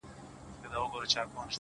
• د زړه بوټى مي دی شناخته د قبرونو؛